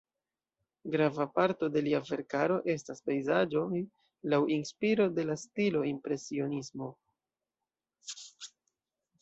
Grava parto de lia verkaro estas pejzaĝoj laŭ inspiro de la stilo impresionismo.